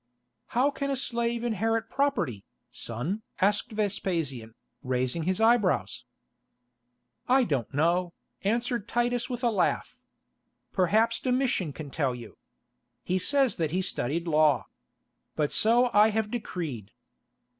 "How can a slave inherit property, son?" asked Vespasian, raising his eyebrows. "I don't know," answered Titus with a laugh. "Perhaps Domitian can tell you. He says that he has studied law. But so I have decreed."